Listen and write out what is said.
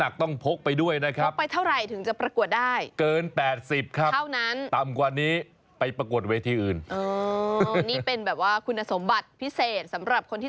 คุณสมบัติพิเศษสำหรับคนที่จะประกวดวิธีนี้